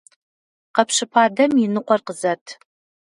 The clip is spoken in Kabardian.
Къэпщыпа дэм и ныкъуэр къызэт!